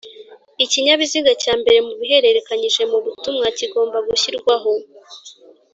Ikinyabiziga cya mbere mu biherekeranyije mu butumwa kigomba gushyirwaho